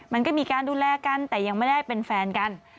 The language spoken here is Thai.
มันก็มีการดูแลกันแต่ยังไม่ได้เป็นแฟนกัน